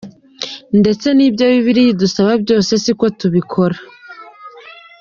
Ndetse n'ibyo Bibiliya idusaba byose siko tubikora.